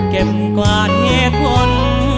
เก็บกวาดเหตุผล